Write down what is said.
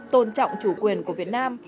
tôn trọng chủ quyền của việt nam